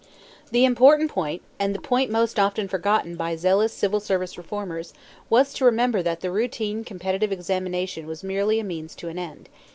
The important point, and the point most often forgotten by zealous Civil Service Reformers, was to remember that the routine competitive examination was merely a means to an end.